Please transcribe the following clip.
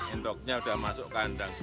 entoknya sudah masuk kandang